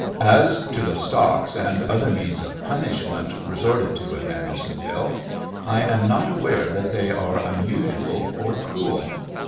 As to the stocks and other means of punishment resorted to at Andersonville, I am not aware that they are unusual or cruel.